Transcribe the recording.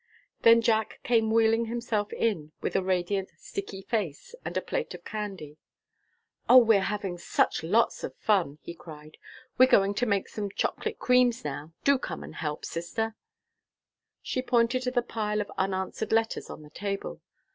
Then Jack came wheeling himself in, with a radiant, sticky face, and a plate of candy. "O, we're having such lots of fun!" he cried. "We're going to make some chocolate creams now. Do come and help, sister?" She pointed to the pile of unanswered letters on the table.